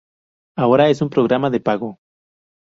Ahora es un programa de pago.